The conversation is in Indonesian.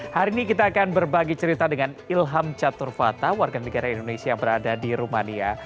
hari ini kita akan berbagi cerita dengan ilham caturvata warga negara indonesia yang berada di rumania